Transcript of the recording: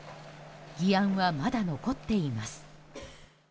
議案はまだ残っています。